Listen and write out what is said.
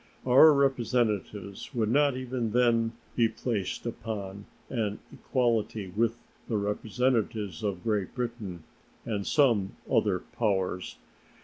Our representatives would not even then be placed upon an equality with the representatives of Great Britain and of some other powers.